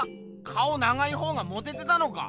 顔長いほうがモテてたのか？